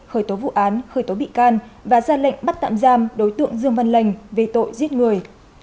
khởi tố vụ án khởi tố bị can và ra lệnh bắt tạm giam đối tượng dương văn lành về tội giết người